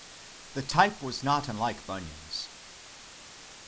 The type was not unlike Bunyan's.